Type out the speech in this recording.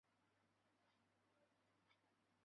将必俟亡羊而始补牢乎！